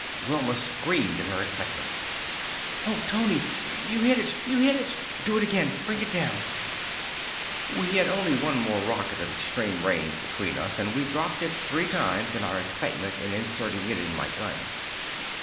Wilma screamed in her excitement. "Oh, Tony, you hit it! You hit it! Do it again; bring it down!" We had only one more rocket of extreme range between us, and we dropped it three times in our excitement in inserting it in my gun.